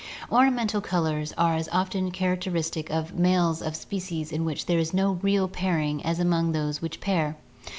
Ornamental colors are as often characteristic of the males of species in which there is no real pairing as among those which pair.